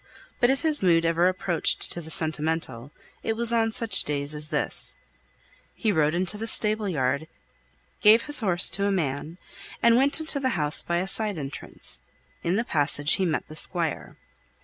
But if his mood ever approached to the sentimental, it was on such days as this. He rode into the stable yard, gave his horse to a man, and went into the house by a side entrance. In the passage he met the Squire.